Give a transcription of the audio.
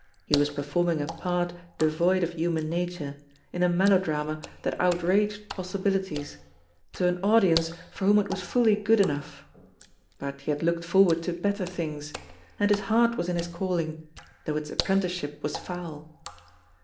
He was performing a part devoid of human nature, in a melodrama that outraged possibilities, to an audience for whom it was fully good enough ; but he had looked for ward to better things, and his heart was in his calling, though its apprenticeship was foul.